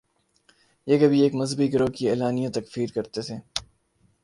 یہ کبھی ایک مذہبی گروہ کی اعلانیہ تکفیر کرتے تھے۔